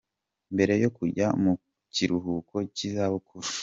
Mbere yo kujya mu kiruhuko cy’izabuku.